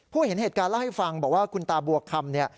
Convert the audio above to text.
ผู้เห็นเหตุการณ์แล้วให้ฟังบอกว่าคุณตาบวกคำ